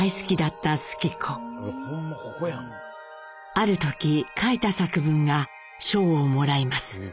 ある時書いた作文が賞をもらいます。